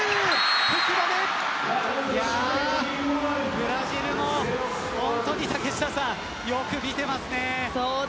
ブラジルは本当によく見ていますね。